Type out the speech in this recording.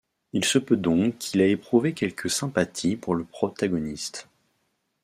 Il se peut donc qu'il ait éprouvé quelque sympathie pour le protagoniste.